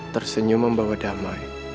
tersenyum membawa damai